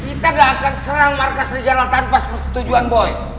kita gak akan serang markas sri gala tanpa setujuan boy